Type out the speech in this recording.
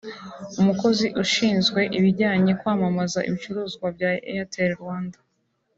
umukozi ushinzwe ibijyanye kwamamaza ibicuruzwa bya Airtel Rwanda